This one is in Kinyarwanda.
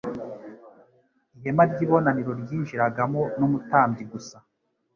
ihema ry ibonaniro ry'injiragamo numutambyi gusa